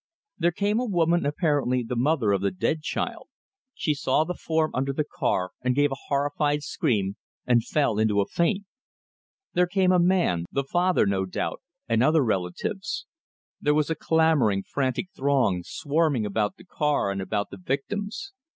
There came a woman, apparently the mother of the dead child. She saw the form under the car, and gave a horrified scream, and fell into a faint. There came a man, the father, no doubt, and other relatives; there was a clamoring, frantic throng, swarming about the car and about the victims.